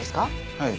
はい。